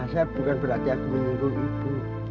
saya bukan berarti aku menyinggung ibu